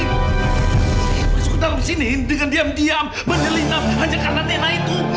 masuk ke dalam sini dengan diam diam bernilai linam hanya karena nena itu